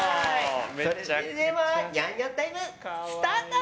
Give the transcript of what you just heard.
それではニャンニャンタイムスタート！